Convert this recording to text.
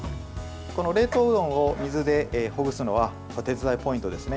冷凍うどんを水でほぐすのは子手伝いポイントですね。